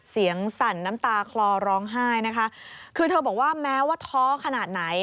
สั่นน้ำตาคลอร้องไห้นะคะคือเธอบอกว่าแม้ว่าท้อขนาดไหน